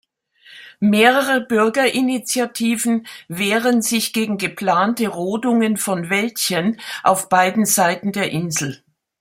Mehrere Bürgerinitiativen wehren sich gegen geplante Rodungen von Wäldchen auf beiden Seiten der Insel.